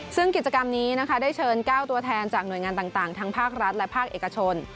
ซึ่งกิจกรรมนี้นะคะได้เชิญ๙ตัวแทนจากหน่วยงานต่างทั้งภาครัฐและภาคเอกชน